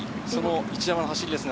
一山の走りですが。